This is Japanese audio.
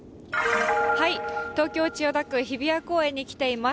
東京・千代田区、日比谷公園に来ています。